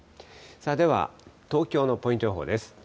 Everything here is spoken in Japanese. では東京のポイント予報です。